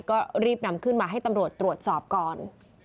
ก็รีบนำขึ้นมาให้ตำรวจตรวจสอบก่อน